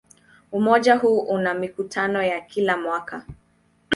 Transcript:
Umoja huu una mikutano ya kila mwaka.